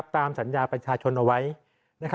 ตามสัญญาประชาชนเอาไว้